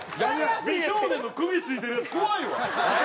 美少年の首付いてるやつ怖いわ！